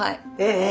え！